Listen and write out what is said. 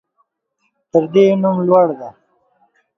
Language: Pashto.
تر ده يې نوم لوړ دى.